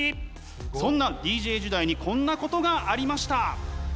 そんなＤＪ時代にこんなことがありました。